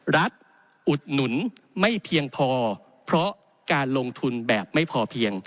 อุดหนุนไม่เพียงพอเพราะการลงทุนแบบไม่พอเพียง